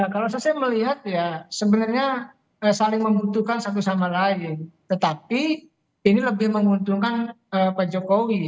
kalau saya melihat ya sebenarnya saling membutuhkan satu sama lain tetapi ini lebih menguntungkan pak jokowi